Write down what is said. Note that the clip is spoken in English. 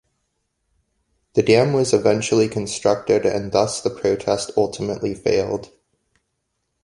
The dam was eventually constructed and thus the protest ultimately failed.